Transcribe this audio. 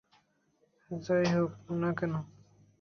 যাই হোক না কেন!